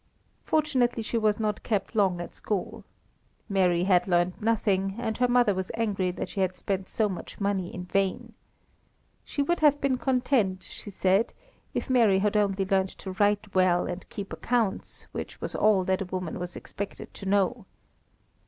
Fortunately she was not kept long at school. Mary had learned nothing, and her mother was angry that she had spent so much money in vain. She would have been content, she said, if Mary had only learnt to write well and keep accounts, which was all that a woman was expected to know.